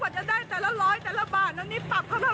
ตัวอีกก็ตัวอีกก็๗๐๐บาท